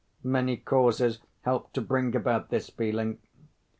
Many causes helped to bring about this feeling.